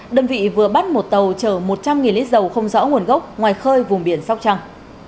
đơn vị vừa bắt một tàu chở một trăm linh lít dầu không rõ nguồn gốc ngoài khơi vùng biển sóc trăng